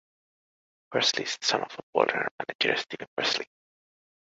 Pressley is the son of footballer and manager Steven Pressley.